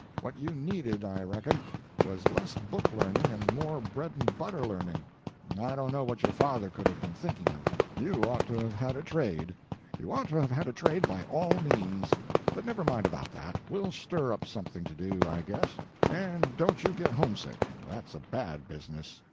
What you needed, I reckon, was less book learning and more bread and butter learning. I don't know what your father could have been thinking of. You ought to have had a trade, you ought to have had a trade, by all means. But never mind about that; we'll stir up something to do, I guess. And don't you get homesick; that's a bad business.